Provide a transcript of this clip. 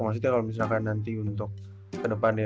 maksudnya kalau misalkan nanti untuk ke depannya